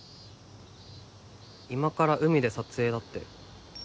今から海で撮影だって。